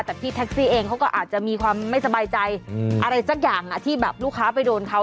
แต่พี่แท็กซี่เองเขาก็อาจจะมีความไม่สบายใจอะไรสักอย่างที่แบบลูกค้าไปโดนเขา